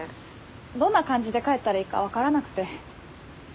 どんな感じで帰ったらいいか分からなくて。